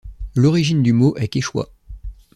L'origine du mot est quechua.